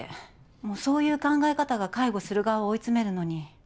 もうそういう考え方が介護する側を追い詰めるのに。